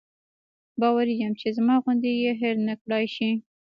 باوري یم چې زما غوندې یې هېر نکړای شي.